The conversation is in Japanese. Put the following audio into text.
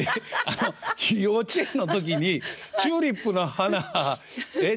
あの幼稚園の時に「チューリップの花」え？